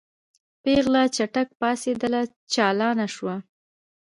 پېغله چټک پاڅېدله چالانه شوه.